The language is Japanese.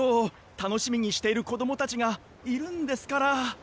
たのしみにしているこどもたちがいるんですから。